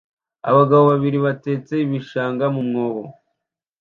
Abagabo babiri batetse ibishanga mu mwobo